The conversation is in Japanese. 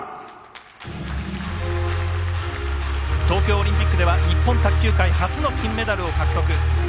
東京オリンピックでは日本卓球界、初の金メダルを獲得。